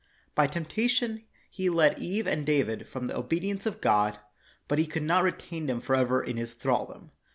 By temptation he led Eve and David from the obedience of God, but he could not retain them forever under his thraldom.